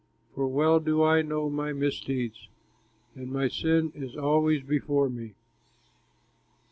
For well do I know my misdeeds, And my sin is always before me.